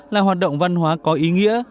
là hoạt động văn hóa có ý nghĩa